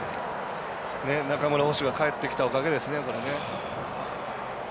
中村捕手が帰ってきたおかげですね。